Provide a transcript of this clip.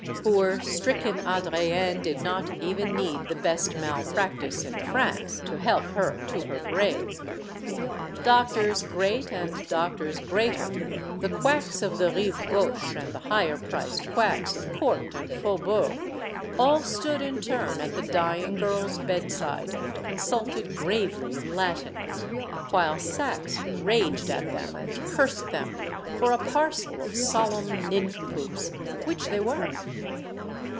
Poor, stricken Adrienne did not even need the best malpractice in France to help her to her grave. Doctors great and doctors greater the quacks of the Rive Gauche and the higher priced quacks of court and Faubourg all stood in turn at the dying girl's bedside and consulted gravely in Latin; while Saxe raged at them and cursed them for a parcel of solemn nincompoops which they were.